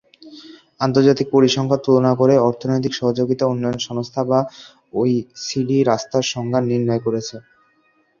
আন্তর্জাতিক পরিসংখ্যান তুলনা করে অর্থনৈতিক সহযোগিতা ও উন্নয়ন সংস্থা বা ওইসিডি রাস্তার সংজ্ঞা নির্ণয় করেছে।